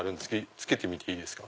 着けてみていいですか？